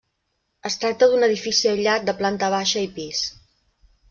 Es tracta d'un edifici aïllat de planta baixa i pis.